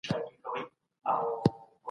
ټیټ شدت فعالیتونه غوړ کاروي.